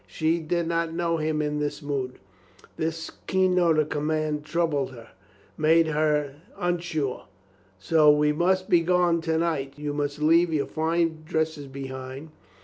She did not know him in this mood. The keen note of command troubled her, made her unsure. "So. We must be gone to night. You must leave your fine dresses behind.